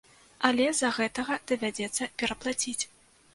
Але з-за гэтага давядзецца пераплаціць.